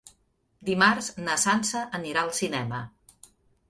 Dimarts na Sança anirà al cinema.